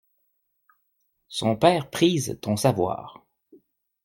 Son père prise ton savoir.